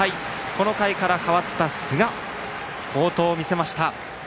この回から代わった寿賀好投を見せました。